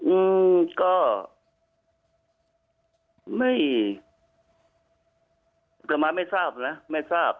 อืมก็ไม่ไม่ต่อมาไม่ทราบนะไม่ทราบ